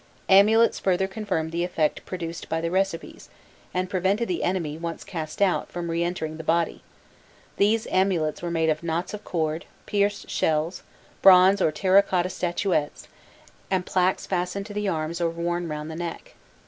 Amulets further confirmed the effect produced by the recipes, and prevented the enemy, once cast out, from re entering the body; these amulets were made of knots of cord, pierced shells, bronze or terra cotta statuettes, and plaques fastened to the arms or worn round the neck.